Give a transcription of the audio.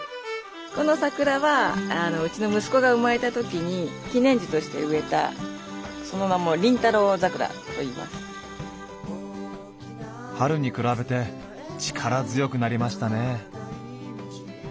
この桜はうちの息子が生まれたときに記念樹として植えたその名も春に比べて力強くなりましたね。